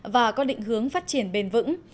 và có định hướng phát triển bền vững